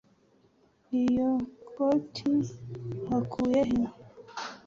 Iyo koti wakuye he?